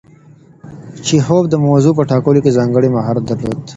چیخوف د موضوع په ټاکلو کې ځانګړی مهارت درلود.